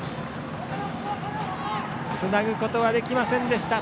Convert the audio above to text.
つなぐことはできませんでした。